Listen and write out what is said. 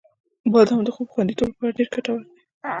• بادام د خوب خوندیتوب لپاره ډېر ګټور دی.